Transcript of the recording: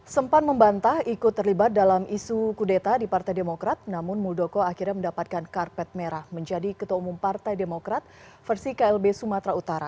sempat membantah ikut terlibat dalam isu kudeta di partai demokrat namun muldoko akhirnya mendapatkan karpet merah menjadi ketua umum partai demokrat versi klb sumatera utara